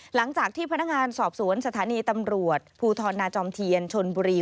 หลังจากที่พนักงานสอบสวนสถานีตำรวจภูทรนาจอมเทียนชนบุรี